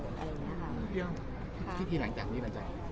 อเจมส์พิธีหลังจากนี้มันจะเรียบร้อยแล้ว